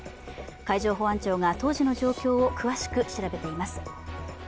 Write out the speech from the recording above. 海上保安庁が当時の状況を詳しく調べています。